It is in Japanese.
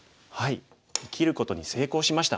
生きることに成功しました。